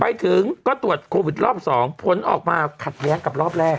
ไปถึงก็ตรวจโควิดรอบ๒ผลออกมาขัดแย้งกับรอบแรก